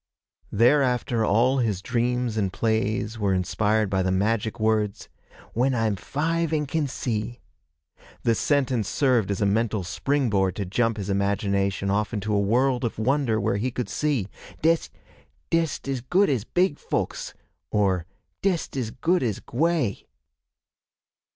Thereafter, all his dreams and plays were inspired by the magic words, 'When I'm five an' can see.' The sentence served as a mental spring board to jump his imagination off into a world of wonder where he could see, 'dest dest as good as big folks' or 'dest as good as Gwey.'